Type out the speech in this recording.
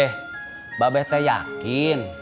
mbak be teh yakin